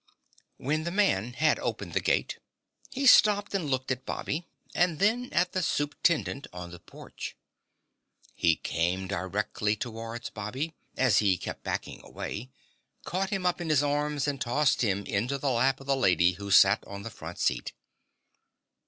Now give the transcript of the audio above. When the man had opened the gate, he stopped and looked at Bobby and then at the Supe'tendent on the porch. He came directly towards Bobby as he kept backing away, caught him up in his arms and tossed him into the lap of the lady who sat on the front seat!